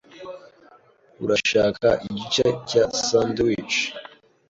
Urashaka igice cya sandwich?